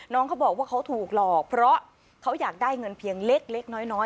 เขาบอกว่าเขาถูกหลอกเพราะเขาอยากได้เงินเพียงเล็กน้อย